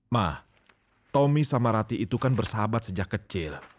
mah tommy sama rati itu kan bersahabat sejak kecil